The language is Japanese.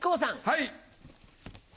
はい。